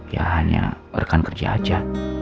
ya hanya rekan kerja aja